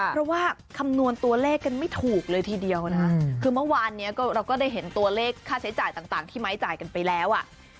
เพราะว่าคำนวณตัวเลขกันไม่ถูกเลยทีเดียวนะคือเมื่อวานนี้เราก็ได้เห็นตัวเลขค่าใช้จ่ายต่างที่ไม้จ่ายกันไปแล้วอ่ะ